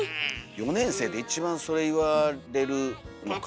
４年生で一番それ言われるのかもね。